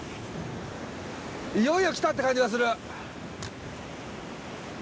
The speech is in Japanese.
いよいよ来たって感じがするま